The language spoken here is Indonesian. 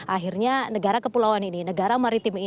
akhirnya negara kepulauan ini negara maritim ini